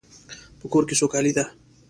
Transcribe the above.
په کور کې سوکالی ده